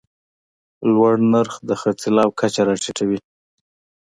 لوړ نرخ د خرڅلاو کچه راټیټوي.